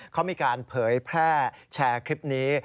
เขามีการเผยแพร่แชร์คลิปนี้